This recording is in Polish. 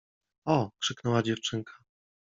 — Oo! — krzyknęła dziewczynka.